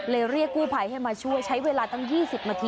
เลยเรียกกู้ไภให้มาช่วยใช้เวลาตั้ง๒๐มนะ